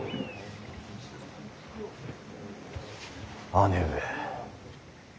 姉上。